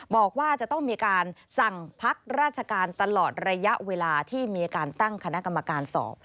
บอกว่าจะต้องมีการสั่งพักราชการตลอดระยะเวลาที่มีการตั้งคณะกรรมการสอบ